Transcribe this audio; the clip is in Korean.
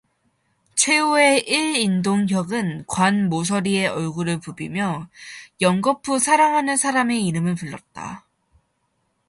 최후의 일 인동 혁은 관 모서리에 얼굴을 부비며 연거푸 사랑하는 사람의 이름을 불렀다.